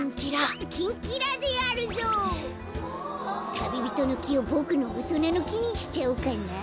タビビトノキをボクのおとなのきにしちゃおうかな。